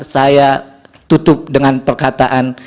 saya tutup dengan perkataan